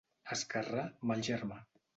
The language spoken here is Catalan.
Esquerrà, mal germà.